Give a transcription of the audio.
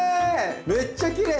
めっちゃきれい！